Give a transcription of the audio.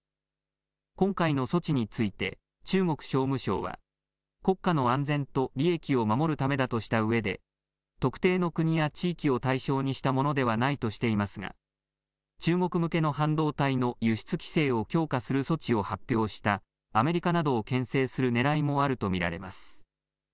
今回の措置について、中国商務省は、国家の安全と利益を守るためだとしたうえで、特定の国や地域を対象にしたものではないとしていますが、中国向けの半導体の輸出規制を強化する措置を発表したアメリカなどをけん制するねらいもあると見られます。